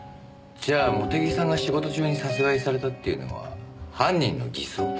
じゃあ茂手木さんが仕事中に殺害されたっていうのは犯人の偽装？